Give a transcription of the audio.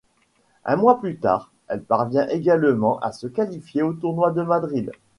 Un mois plus tard, elle parvient également à se qualifier au tournoi de Madrid.